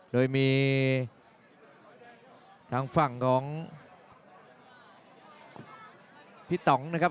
โดยมีทางฝั่งของพี่ต่องนะครับ